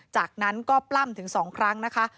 จากนั้นก็ปล้ำถึง๒ครั้งนะคะ